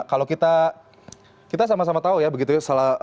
kalau kita sama sama tahu ya begitu ya